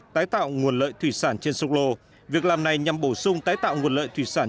tái tạo nguồn lợi thủy sản trên sông lô việc làm này nhằm bổ sung tái tạo nguồn lợi thủy sản